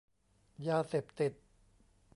ยาเสพติด